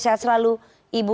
saya selalu ibu